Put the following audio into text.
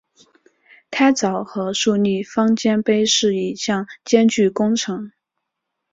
开凿和竖立方尖碑是一项艰巨工程。